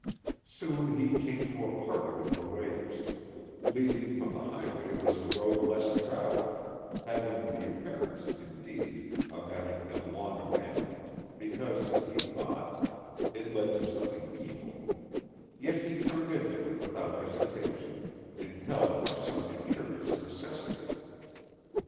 Soon he came to a parting of the ways; leading from the highway was a road less traveled, having the appearance, indeed, of having been long abandoned, because, he thought, it led to something evil; yet he turned into it without hesitation, impelled by some imperious necessity.